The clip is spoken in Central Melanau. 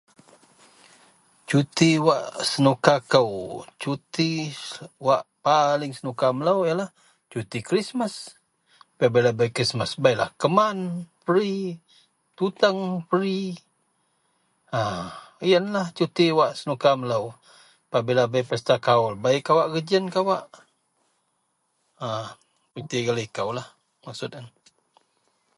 Cuti wak senuka kou, cuti wak paling senuka melou yenlah cuti Krismas. Pabila bei Krismas beilah keman peri, tuteng peri. A, yenlah cuti wak senuka melou. Pabila bei pesta kaul bei kawak geji yen kawak. A, cuti gak likoulah maksud yen